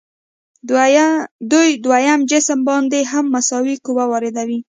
دوی دویم جسم باندې هم مساوي قوه واردوي.